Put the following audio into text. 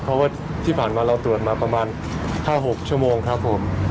เพราะว่าที่ผ่านมาเราตรวจมาประมาณ๕๖ชั่วโมงครับผม